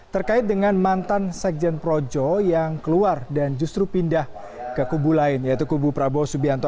terkait dengan mantan sekjen projo yang keluar dan justru pindah ke kubu lain yaitu kubu prabowo subianto